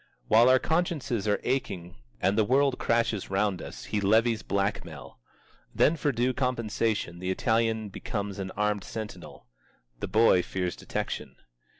While our consciences are aching and the world crashes round us, he levies black mail. Then for due compensation the Italian becomes an armed sentinel. The boy fears detection.